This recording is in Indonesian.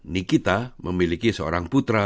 nikita memiliki seorang putra